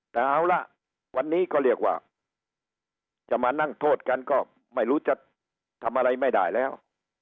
แต่เอาละวันนี้ก็เรียกว่าจะมานั่งโทษกันก็ไม่รู้จะทำอะไรไม่ได้แล้ว